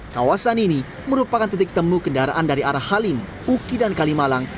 kawasan ini merupakan titik temu kendaraan dari arah halim uki dan kalimalang